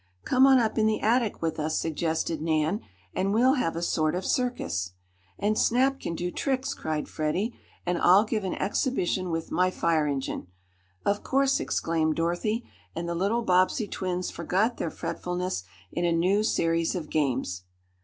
"Come on up in the attic with us," suggested Nan, "and we'll have a sort of circus." "And Snap can do tricks," cried Freddie, "and I'll give an exhibition with my fire engine." "Of course!" exclaimed Dorothy, and the little Bobbsey twins forgot their fretfulness in a new series of games.